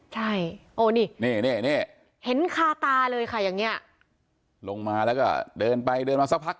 ใช่โอ้นี่นี่เห็นคาตาเลยค่ะอย่างเนี้ยลงมาแล้วก็เดินไปเดินมาสักพัก